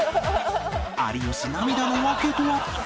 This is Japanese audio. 有吉涙の訳とは？